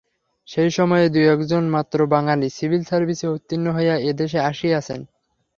সেই সময়ে দুই-এক জন মাত্র বাঙালি সিভিল সার্ভিসে উত্তীর্ণ হইয়া এ দেশে আসিয়াছেন।